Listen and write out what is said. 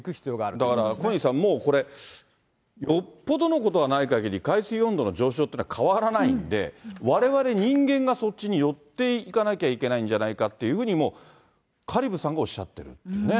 だから小西さん、もうこれ、よっぽどのことがないかぎり、海水温度の上昇というのは変わらないんで、われわれ人間がそっちに寄っていかなきゃいけないんじゃないかというふうに、香里武さんがおっしゃっているというね。